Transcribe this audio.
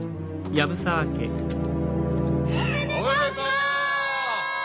おめでとう！